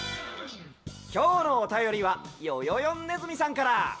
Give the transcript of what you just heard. きょうのおたよりはよよよんネズミさんから。